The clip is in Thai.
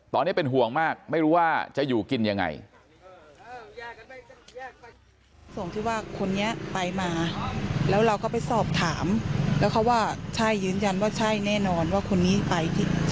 ตอนนี้เป็นห่วงมากไม่รู้ว่าจะอยู่กินยังไง